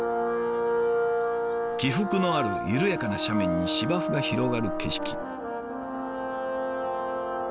起伏のある緩やかな斜面に芝生が広がる景色。